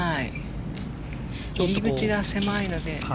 入り口が狭いので。